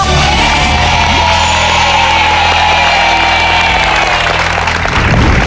เย้